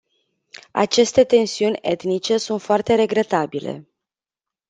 Aceste tensiuni etnice sunt foarte regretabile.